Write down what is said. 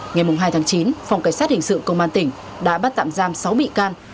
ngày hai tháng chín phòng cảnh sát hình sự công an tỉnh đã bắt tạm giam sáu bị can